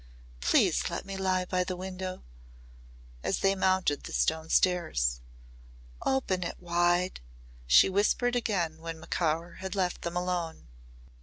"Please let me lie by the window," as they mounted the stone stairs. "Open it wide," she whispered again when Macaur had left them alone.